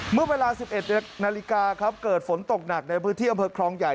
เมื่อเวลา๑๑นาฬิกาครับเกิดฝนตกหนักในพื้นที่อำเภอคลองใหญ่